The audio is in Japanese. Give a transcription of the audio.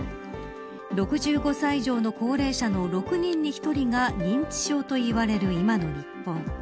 ６５歳以上の高齢者の６人に１人が認知症といわれる今の日本。